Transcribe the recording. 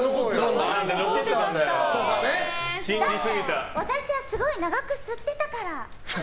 だって私はすごく長く吸ってたから！